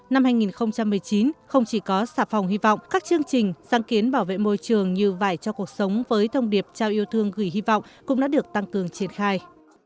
năm hai nghìn một mươi chín không chỉ có xà phòng hy vọng các chương trình sáng kiến bảo vệ môi trường như vải cho cuộc sống với thông điệp trao yêu thương gửi hy vọng cũng đã được tăng cường triển khai